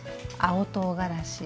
青とうがらし